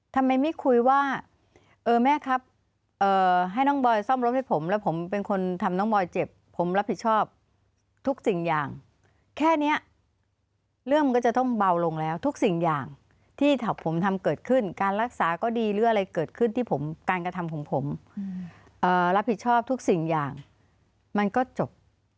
ทำไมไม่คุยว่าเออแม่ครับให้น้องบอยซ่อมรถให้ผมแล้วผมเป็นคนทำน้องบอยเจ็บผมรับผิดชอบทุกสิ่งอย่างแค่นี้เรื่องมันก็จะต้องเบาลงแล้วทุกสิ่งอย่างที่ผมทำเกิดขึ้นการรักษาก็ดีหรืออะไรเกิดขึ้นที่ผมการกระทำของผมรับผิดชอบทุกสิ่งอย่างมันก็จบ